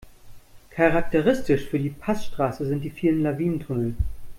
Charakteristisch für die Passstraße sind die vielen Lawinentunnel.